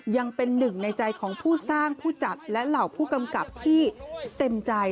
ยังเป็นหนึ่งในใจของผู้สร้างผู้จัดและเหล่าผู้กำกับที่เต็มใจ